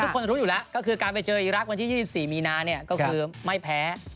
คนรู้อยู่แล้วก็คือการไปเจออีรักษ์วันที่๒๔มีนาเนี่ยก็คือไม่แพ้